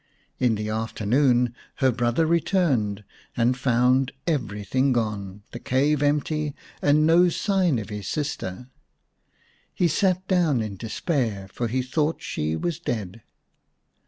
In the afternoon her brother returned and found everything gone, the cave empty and no sign of his sister. He sat down in despair, for he thought she was dead.